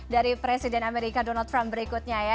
di amerika donald trump berikutnya ya